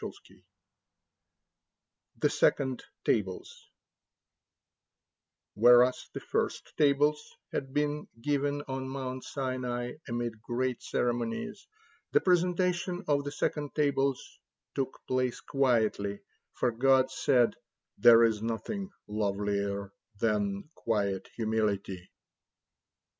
THE SECOND TABLES Whereas the first tables had been given on Mount Sinai amid great ceremonies, the presentation of the second tables took place quietly, for God said: "There is nothing lovelier than quiet humility.